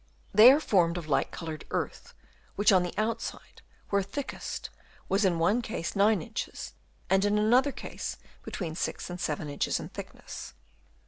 They are formed of light coloured earth, which on the outside, where thickest, was in one case 9 inches, and in another case between 6 and 7 inches in thickness.